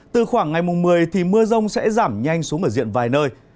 từ khoảng ngày mùng một mươi thì mưa rông sẽ giảm nhanh xuống ở diện vài nơi